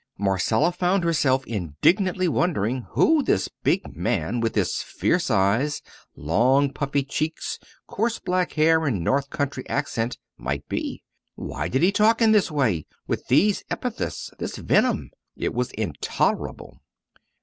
Marcella found herself indignantly wondering who this big man, with his fierce eyes, long, puffy cheeks, coarse black hair, and North country accent, might be. Why did he talk in this way, with these epithets, this venom? It was intolerable!